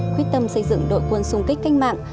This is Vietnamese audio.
quyết tâm xây dựng đội quân xung kích canh mạng